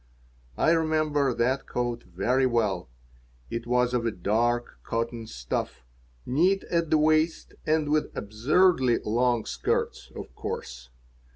I remember that coat very well. It was of a dark brown cotton stuff, neat at the waist and with absurdly long skirts, of course.